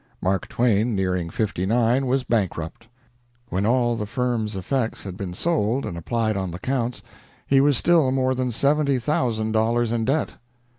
Mark Twain, nearing fifty nine, was bankrupt. When all the firm's effects had been sold and applied on the counts, he was still more than seventy thousand dollars in debt.